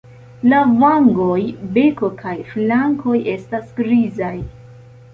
La vangoj, beko kaj flankoj estas grizaj.